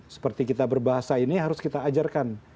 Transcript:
seperti kita berbahasa ini harus kita ajarkan